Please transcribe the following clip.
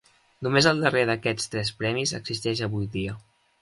Només el darrer d'aquests tres premis existeix avui dia.